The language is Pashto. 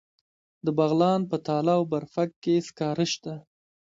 د بغلان په تاله او برفک کې سکاره شته.